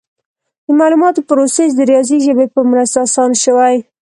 د معلوماتو پروسس د ریاضي ژبې په مرسته اسانه شوی.